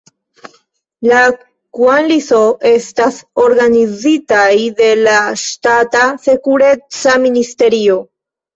La Kŭan-li-so, estas organizitaj de la ŝtata sekureca ministerio.